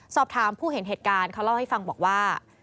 สอบถามผู้เห็นเหตุการณ์เขาเล่าให้ฟังบอกว่า